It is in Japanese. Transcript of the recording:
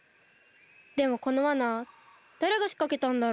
でもこのわなだれがしかけたんだろう？